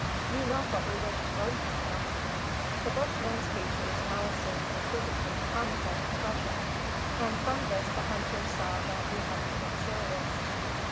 You know what we wish to learn from him." The Bushman's features now assumed a quizzically comical expression; and from this the hunters saw that he had become serious.